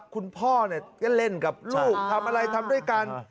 คุณพ่อก็เล่นกับลูกทำอะไรทำด้วยกัน